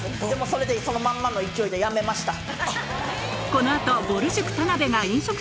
それでそのまんまの勢いで辞めました。